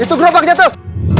weh itu gerobaknya tuh